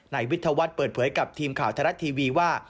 นายวิทยาวัฒน์เปิดเผยกับทีมข่าวไทยรัฐทีวีว่า